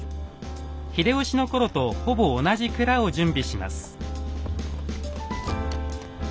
秀吉の頃とほぼ同じくらを準備します。